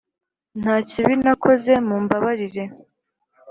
nta kibi nakoze mumbabarire